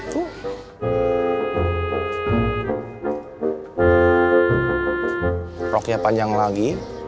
proknya panjang lagi